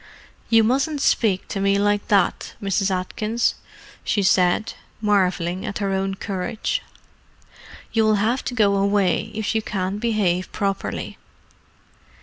"You mustn't speak to me like that, Mrs. Atkins," she said, marvelling at her own courage. "You will have to go away if you can't behave properly."